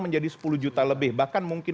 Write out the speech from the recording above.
menjadi sepuluh juta lebih bahkan mungkin